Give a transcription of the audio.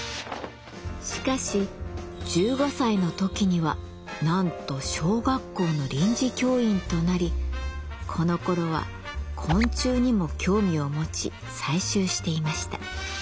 しかし１５歳の時にはなんと小学校の臨時教員となりこのころは昆虫にも興味を持ち採集していました。